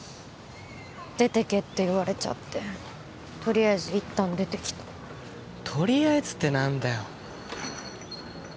出てけって言われちゃってとりあえず一旦出てきたとりあえずって何だよ